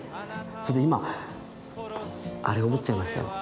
それで今あれ思っちゃいました。